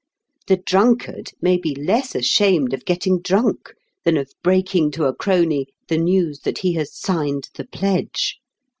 The drunkard may be less ashamed of getting drunk than of breaking to a crony the news that he has signed the pledge.